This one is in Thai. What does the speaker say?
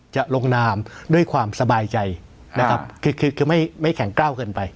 จะลงนามด้วยความสบายใจนะครับคือไม่แข็งกล้าวเกินไป